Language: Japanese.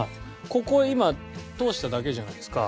ここ今通しただけじゃないですか。